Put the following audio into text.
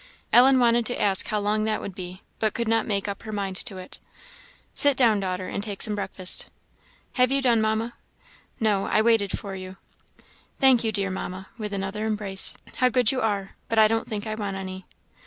Ellen wanted to ask how long that would be, but could not make up her mind to it. "Sit down, daughter, and take some breakfast." "Have you done, Mamma?" "No I waited for you." "Thank you, dear Mamma" with another embrace "how good you are! but I don't think I want any."